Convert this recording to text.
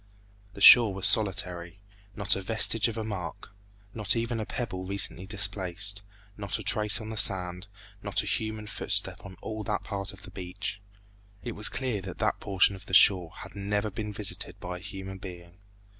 The shore was solitary; not a vestige of a mark. Not even a pebble recently displaced; not a trace on the sand; not a human footstep on all that part of the beach. It was clear that that portion of the shore had never been visited by a human being.